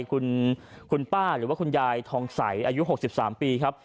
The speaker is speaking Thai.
คุณป้าหรือว่าคุณยายทองใสอายุ๖๓ปีครับ